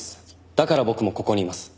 だから僕もここにいます。